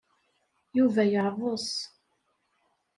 Yuba yeɛḍes.